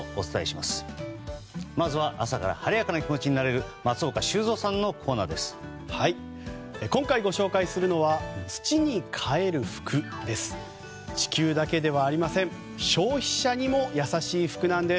まずは朝から晴れやかな気持ちになれる松岡修造さんのコーナーです。